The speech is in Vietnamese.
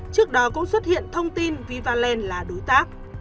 trước đó cũng xuất hiện thông tin vivaland là đối tác